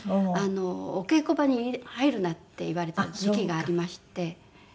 「お稽古場に入るな」って言われてた時期がありまして。